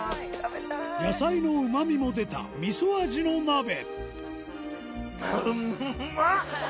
野菜のうま味も出たみそ味の鍋